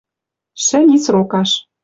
Шӹм и срокаш